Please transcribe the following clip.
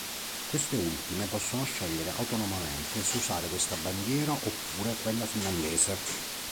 Queste ultime possono scegliere autonomamente se usare questa bandiera oppure quella finlandese.